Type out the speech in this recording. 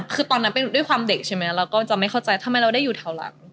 คือตอนนั้นด้วยความเด็กใช่ไหมเราก็จะไม่เข้าใจทำไมเราได้อยู่แถวหลัง